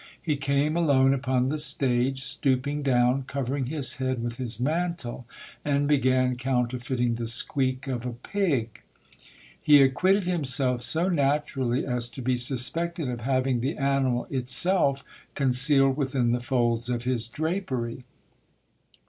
He came alone upon the stage, stooping down, covering his head with his mantle, and began counterfeiting the squeak of a pig. He acquitted himself so naturally as to be suspected of having the animal itself concealed within the folds of his drapery.